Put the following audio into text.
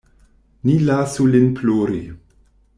Ni lasu lin plori.